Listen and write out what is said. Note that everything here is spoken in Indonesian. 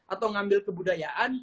atau ngambil ke budaya lainnya